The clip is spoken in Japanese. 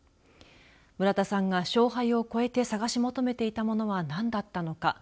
村田さんが勝敗を越えて探し求めていたものは何だったのか。